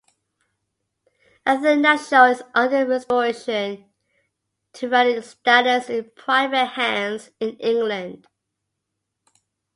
A third "Nashorn" is under restoration to running status, in private hands in England.